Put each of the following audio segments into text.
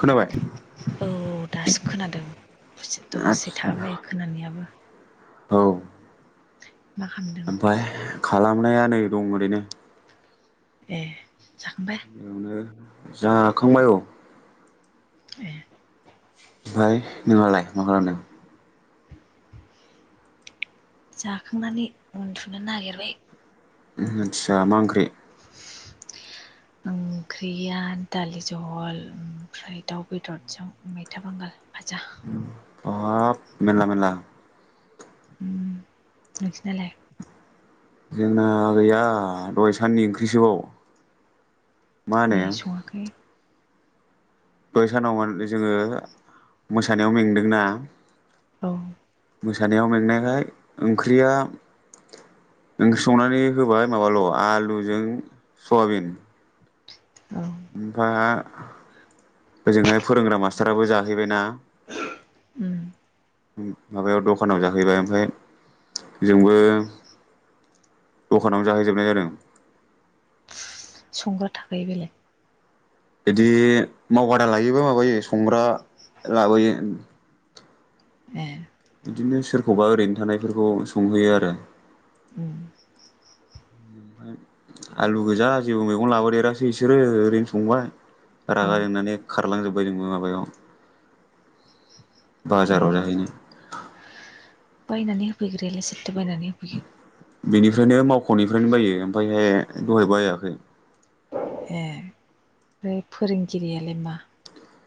खोनाबाय औ औ दासो खोनादों बुजि दसे आदसा थाहाब लायो खोनानायाबो। औ मा खाम ओमफाय खालामनाया नै दं ओरैनो। ए जाखांबाय? बेयावनो जाखांबाय औ। ए फ्राय नोंहालाय मा खालामदों? जाखांनानै उन्दुनो नागिरबाय। उम आदसा मा ओंख्रि? ओंख्रिया दालि जहल ओमफ्राय दाउ बेदरजों मैथा बांगाल। फाजा। बाब मेनला मेनला। ओम नोंसिनालाय? जोंना गैया दहाय साननि ओंख्रिसोबाव। मा होनो ए सङाखै? दहाय सानाव ओन जोङो मोसानायाव मेंदोंना औ मोसानायाव मेंनायखाय ओंख्रिया ओंख्रि संनानै होबाय माबाल' आलुजों सवाबिन। औ ओमफाय ओजोंहाय फोरोंग्रा मास्टाराबो जाहैबायना। उम उम माबायाव दखानाव जाहैबाय ओमफाय जोंबो दखानावनो जाहैजोबनाय जादों। संग्रा थाखायो बेलेग? इदि मावबादा लायोबा माबायो संग्रा लाबोयो उम। ए इदिनो सोरखौबा ओरैनो थानायफोरखौ संहैयो आरो। उम आलु गोजा जेबो मैगं लाबोदेरासै इसोरो ओरैनो संबाय। औ रागा जोंनानै खार खारलां जोब्बाय जोंबो माबायाव ए बाजाराव जाहैनि बायनानै होफैग्रायालाय सोर? थो बायनानै होफैयो? बेनिफ्रायनो मावख'निफ्रायनो बायो ओमफायहे दहाय बायाखै। ए फ्राय फोरोंगिरियालाय मा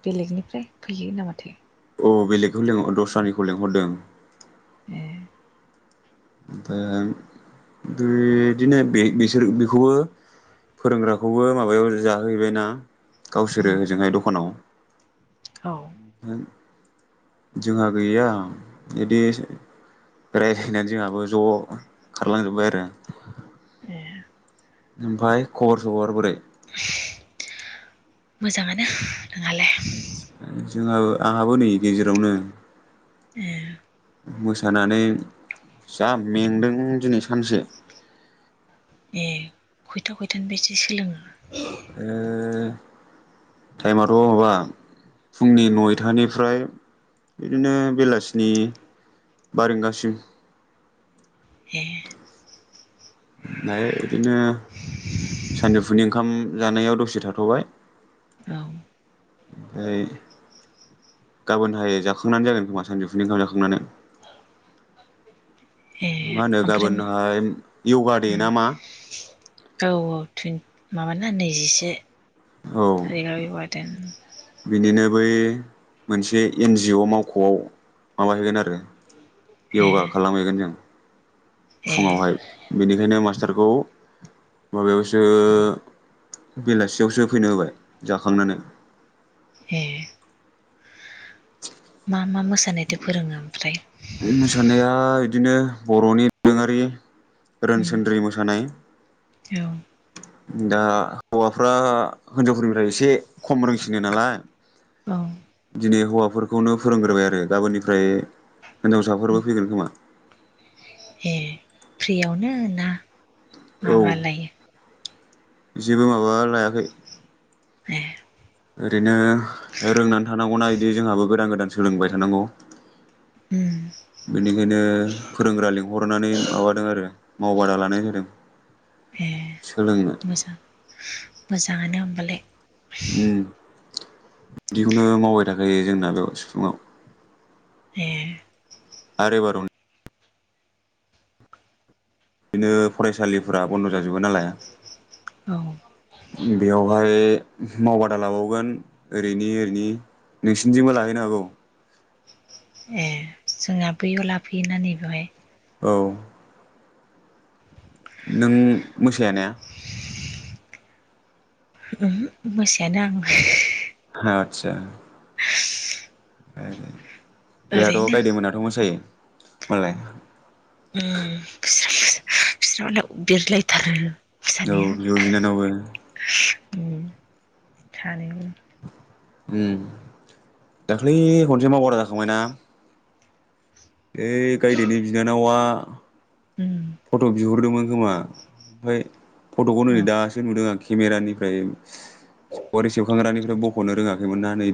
बेलेगनिफ्राय फैयो ना माथो? औ बेलेगखौ लिंहर दस्रानिखौ लिंहरदों। ए ओमफाय बिदिनो बे बिसोर बेखौबो फोरोंग्राखौबो माबायाव जाहोैबायना गावसोरो उम ओजोंहाय दखानाव औ ओं जोंहा गैया बिदि रायलायनानै जोंहाबो ज' खारलांजोबबाय आरो ए ओमफाय खबर सबर बोरै? मोजाङानो नोंहालाय? जोंहा आंहाबो नै गेजेरावनो। ए मोसानानै जा मेंदों दिनै सानसे ए खयथा खयथानि फायसो सोलोङो? ओ टाइमाथ' माबा फुंनि नयथानिफ्राय बिदिनो बेलासिनि बा रिंगासिम। ए फाय बिदिनो सानजुफुनि ओंखाम जानायाव दसे थाथ'बाय। औ ओमफ्राय गाबोनहाय जाखांनानै जागोन खोमा सानजौफुनि ओंखाम जाखांनानै। ए मा होनो ओमफ्राय गाबोनहाय योगा दे उम ना मा औ औ माबाना नैजिसे औ [unintelligible] बिनिनो बै मोनसे एनजिअ मावख'आव माबाहैगोन आरो ए योगा खालामहैगोन जों ए फुङावहाय बेनिखायनो मास थारखौ माबायावसो बेलासियावसो फैनो होबाय जाखांनानै। ए मा मा मोसानायथो फोरोङो ओमफ्राय उम मोसानाया इदिनो बर'नि दोरोङारि उम रोनसोनद्रि मोसानाय औ [unintelligible] दा हौवाफ्रा हिनजावफोरनिफ्राय एसे खम रोंसिनो नालाय औ दिनै हौवाफोरखौनो फोरोंग्रोबाय आरो गाबोननिफ्राय हिनजावसाफोरबो फैगोन खोमा। ए फ्रियावनो ना औ माबालायो जेबो माबा लायाखै ए ओरैनो रोंनानै थानांगौना इदि जोंहाबो गोदान गोदान सोलोंबाय थानांगौ उम बेनिखायनो फोरोंग्रा लिंहरनानै माबादों आरो मावबादा लानाय ए होदों मोजां मोजांङानो होमबालाय। उम बिदिखौनो मावबाय थाखायो जोंनाथ' फुंङाव। ए आरे बारुनि बिदिनो फरायसालिफोरा बन्द जाजोबो नालाय औ बेवावहाय मावबादा लाबावगोन ओरैनि ओरैनि नोंसिनिथिंबो लाहैनो हागौ। जोंहा बैआव लाफैयो ना नै बेवहाय। औ नों मोसाया ना उमहो मोसायानो आं। हा आदसा ए ओ बेहाथ' ओरैनो गायदेमोनाथ' मोसायो। मालाय उम [unintelligible] बिस्रा मालाय बिरलाय थारो। औ बिब' बिनानावबो। उम सानैबो उम, दाख्लै खनसे मावबादा जाखांबायना ओय गायदेनि बिनानावआ फट' बिहरदोंमोन गोमोआ ओमफाय फट'खौनो औ नै दासो नुदों आरोखि केमेरानिफ्राय [unintelligible] सेबखांग्रानिफ्राय बख'नो रोङाखैमोना नै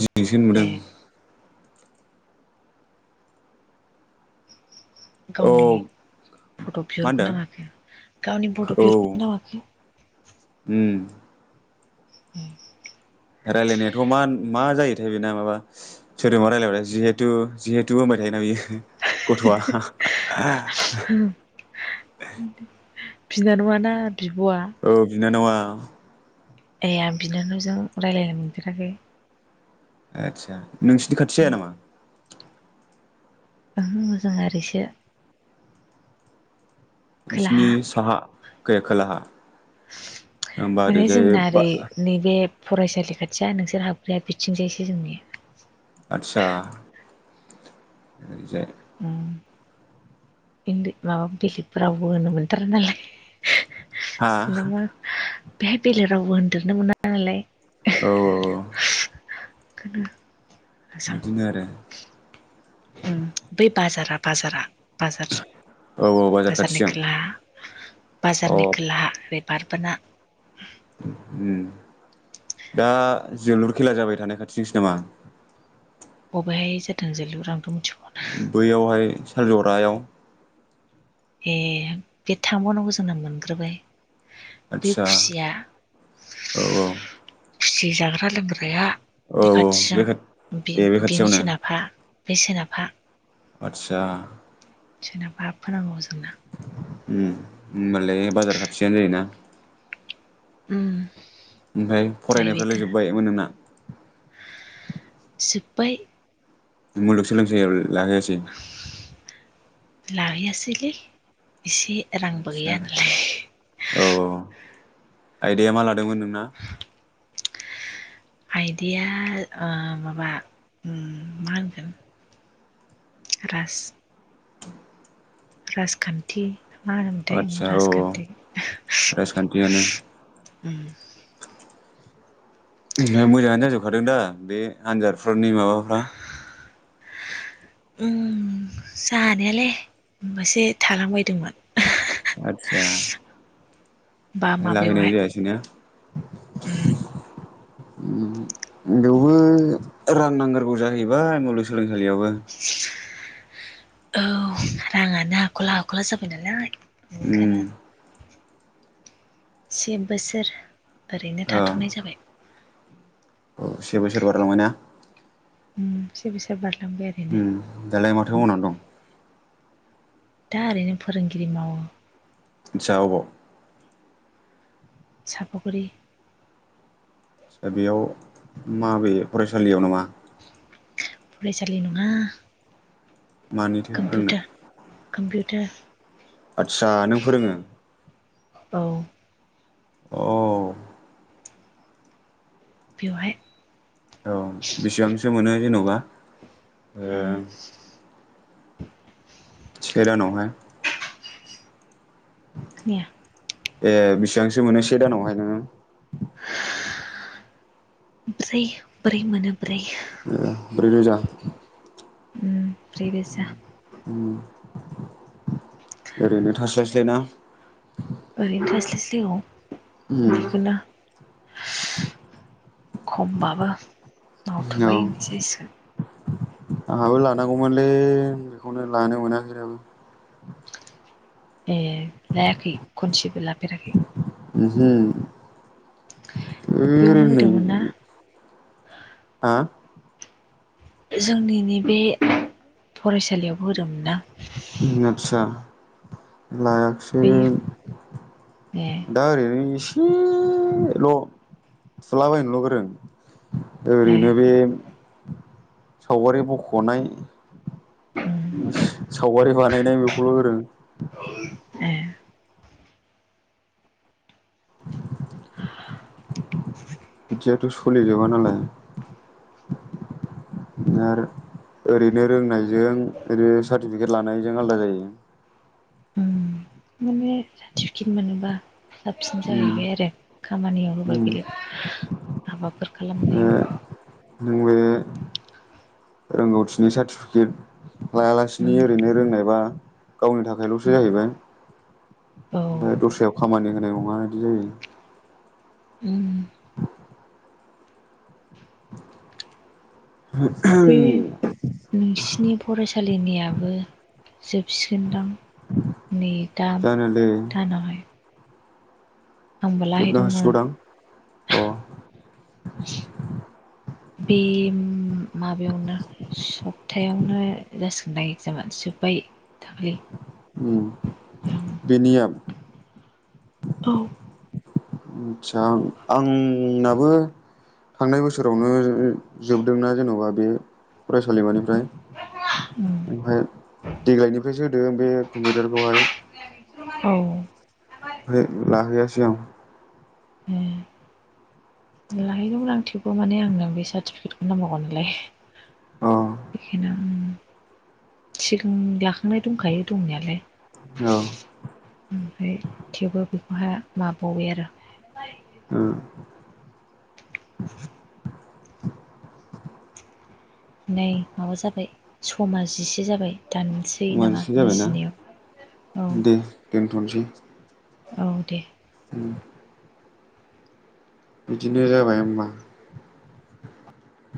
दिनिसो नुदों। ए औ गावनि फट' मा बिहरखो होनदों ना‌ माखो गावनि फट' औ बिहोरखो ना माखो? उम एह रायलायनायाथ' मा मा जायोथाय बेना माबा सोदोबा रायलायबाथाय जिहेथु जिहेथु होनबाय थायोना बियो। गथ'वा बिनानावाना बिब'आ औ बिनानावा। [inaudible] ए आं बिनानावजों रायलायनो मोनफेराखै। आदसा नोंसिनि खाथि जाया नामा? ओहो जोंना ओरैसो। बिसिनि खोलाहा साहा गैया खोलाहा ओमबा माने ओरैजाय जोंना बा ओरै नैबे फरायसालि खाथिया नोंसोर हाबग्राया बिथिंजायसो जोंनिया। आतच्चा जाय उम ओन्दै माबा बेलेग रावफोर होनो मोनथारा नालाय। हा सिलं अ बेहाय बेलेर रावबो होनदेरनो मोना नालाय। औऔ [unintelligible] एखौनो बिदिनो आरो बै बाजारा बाजारा बाजार औ औ बाजार बाजारनि खाथिजों खोला अ बाजारनि खोलाहा एबार [inaudible] उम दा जोलुर खेला जाबाय थानाय खाथिजोंसो नामा? बबेहाय जादों जोलुरा। [unintelligible] उम मिथिगौना? [unintelligible] थाइखा जरायाव। ए बे थांबावनांगौ जोंना मोनग्रोबाय। बे आतसा खुसिया औ औ। खुसि जाग्रा लोंग्राया। औ बे औ खाथिजों बे खा बि ए बे बिनि खाथियावनो सोनाबहा। बै सोनाबहा। आतसा सोनाबहा हाबबोनांगौ जोंना। उम होमबालाय बाजार खाथियानो जायोना? उम ओमफ्राय फरायनायफ्रालाय जोब्बायमोन नोंना? जोब्बाय। मुलुग सोलोंसालियाबो? लाखायासै। लायैयासैलै। इसे रांबो आदसा गैया नालाय। आइदाया मा लादोंमोन नोंना? आइदाया ओ माबा मा होनगोन राज राजखान्थि। मा होनो मोनथाय आदसा औ राजखान्थि। राजखान्थियानो ओमफ्राय मोजाङानो जाजोबखादों दा बे आनजादफोरनि माबाफ्रा? उम जानायालाय मोनसे थालांबायदोंमोन। आतसा बा लाहैनायबो माबायावहाय जायासैना [inaudible] उम बेवबो रां नांग्रोगौ जाहैबाय मुलगसोलोंसालियाव सालियावबो औ राङानो हाख'ला हाख'ला जाबाय नालाय उम ओंखायनो से बोसोर ओरैनो औ थाथ'नाय जाबाय औ से बोसोर बारलांबाय ना से बोसोर बारलांबा दालाय माथो मावनानै दं दा ओरैनो फोरोंगिरि मावो आतसा अबाव साफागुरि बेयाव माबे फरायसालियाव नामा फरायसालि नङा मानिथो फोरोंनो ओ आदसा नों फोरोङो औ औ बेवहाय औ बेसेबांसो मोनो जेन'बा ओ उम सेे दानावहाय खोनाया ए बिसिबांसो मोनो से दानावहाय नोङो [inaudible] बै ब्रै मोनो ब्रै ब्रैरोजा उम ब्रैरोजा ओरैनो थास्लायस्लायना ओरैनो थास्लायस्लाय औ उम मोनोबोला खमब्लाबो औ मावथबाय होनैसै जासिगोन। आंहाबो लानांगौमोनलै बेखौनो लानो मोनाखै दाबो एह लायाखै खनसेबो लाफेराखै। [unintelligible] बेयावनो उम नै होदोंमोन ना हा। जोंनि नैबे फरायसालियाव बो होदोंमोन ना आतसा। लायाखसै बेयो ए दा ओरैनो एसे ल थुलाबायायनोल' गोरों। दा ए ओरैनो बे सावगारि बखनाय उम सावगारि बानाय नाय बेखौल' गोरों। ए बिदियाथ' सलिजोबा नालाय बिदनो आरो ओरैनो रोंनायजों ओरैनो सार्टिफिकेट लानायजों आलदा जायो। टिफकिट मोनबा साबसिन उम जाहैबाय आरो खामानियाव होबाय उम बेयो हाबाफोर ओ खालामनायाव। नों बे रोंगौथिनि सार्टिफिकेट लायालासिनो ओरैनो रोंनायबा गावनि थाखायल'सो जाहैबाय औ ओमबाय दस्रायाव खामानि होनाय नङा इदि जायो। उम जायो बे नोंसिनि फरायसालिनियाबो जोबसिगोनदां नै दा जानोलै दानावहाय। आंबो जोबनो लाहैदोंमोन। हासिगौदां अ। बे माबायावना सपथायावनो जासिगोनदां एक्जामा जोब्बाय दाखालि। उम बेनिया औ आदसा आंनाबो थांनाय बोसोरावनो जोबदोंना जेन'बा बे फरायसालिमानि फ्राय ओमफाय देग्लायनिफ्रायसो होदो बे कम्पिउटारखौहाय। औ फाय लाहैयासै आं। लाहैगौमोन आं थे वबो माने आंनो बे सार्टिफिकेटखौनो नांगौमोनलाय। आं बेखोनो उम सिगां लाखांनाय दंखायो दंनायालाय। अ औ [unintelligible] थेवबो बहा लाबावबाय आरो। उम। नै माबा जाबाय समा जिसे जाबाय। दानसै समानो नामा एसे ना जाबायना जिनैयाव औ। दे दोनथनोसै। औ दे उम बिदिनो जाबाय होमबा